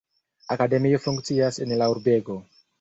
Akademio funkcias en la urbego.